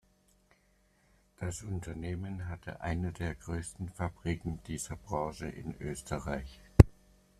Das Unternehmen hatte eine der größten Fabriken dieser Branche in Österreich.